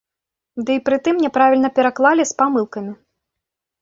Ды і пры тым няправільна пераклалі, з памылкамі.